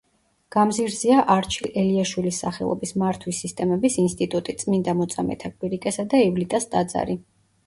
გამზირზეა არჩილ ელიაშვილის სახელობის მართვის სისტემების ინსტიტუტი, წმინდა მოწამეთა კვირიკესა და ივლიტას ტაძარი.